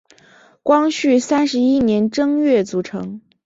光绪三十一年正月组成。